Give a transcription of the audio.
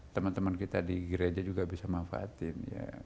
teman teman kita di gereja juga bisa manfaatin